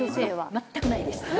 全くないです。え！